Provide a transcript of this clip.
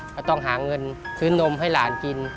ก็ต้องหาเงินซื้อนมให้หลานกิน